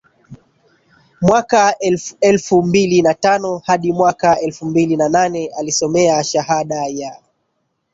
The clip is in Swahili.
Mwaka elfuelfu mbili na tano hadi mwaka elfu mbili na nane alisomea shahada ya